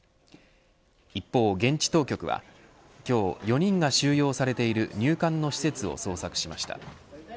一方、現地当局は今日４人が収容されている入管の施設を捜索しました。